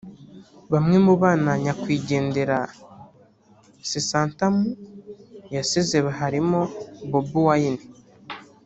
Bamwe mu bana nyakwigendera Ssentamu yasize harimo Bobi Wine